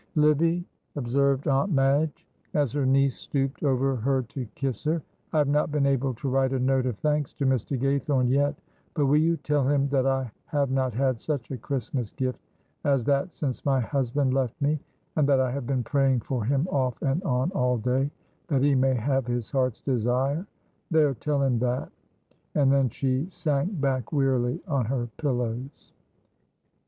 "Livy," observed Aunt Madge, as her niece stooped over her to kiss her, "I have not been able to write a note of thanks to Mr. Gaythorne yet, but will you tell him that I have not had such a Christmas gift as that since my husband left me, and that I have been praying for him off and on all day, that he may have his heart's desire there, tell him that " And then she sank back wearily on her pillows.